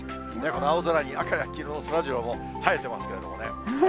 この青空に赤や黄色のそらジローも映えてますけれどもね。